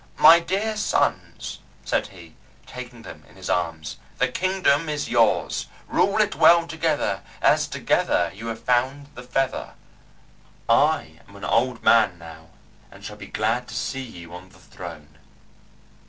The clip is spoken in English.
"My dear sons," said he, taking them in his arms, "the kingdom is yours. Rule it well together, as together you have found the Feather. I am an old man now, and shall be glad to see you on the throne."